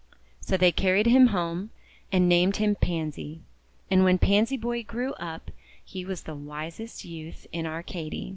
So they carried him home, and named him Pansy. And when Pansy Boy grew up, he was the wisest youth in Arcady.